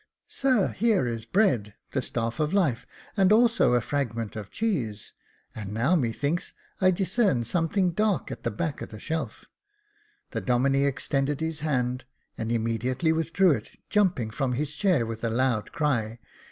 Sir, here is bread, the staff of life, and also a fragment of cheese ; and now, methinks, I discern something dark at the back of the shelf." The Domine extended his hand, and immediately withdrew it, jumping from his chair, with a loud cry.